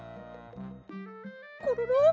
コロロ？